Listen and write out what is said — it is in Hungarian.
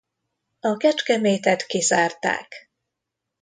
A Kecskemétet kizárták.